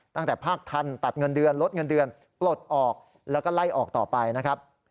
ตั้งแต่ภาคทันตัดเงินเดือนลดเงินเดือนปลดออกแล้วก็ไล่ออกต่อไปนะครับ